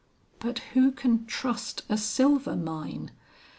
But who can trust a silver mine?